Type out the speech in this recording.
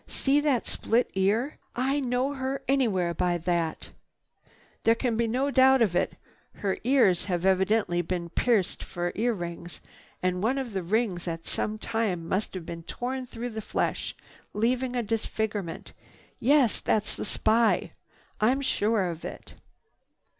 See that split ear? I'd know her anywhere by that. There can be no doubt of it. Her ears have evidently been pierced for ear rings, and one of the rings at some time must have been torn through the flesh, leaving a disfigurement. Yes, that's the spy, I'm sure of it."